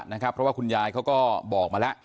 เพราะว่าคุณยายเขาก็บอกมาแล้ว